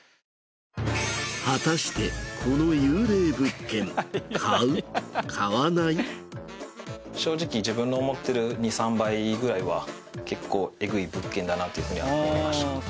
果たしてこの幽霊物件正直自分の思ってる２３倍ぐらいは結構だなというふうには思いました。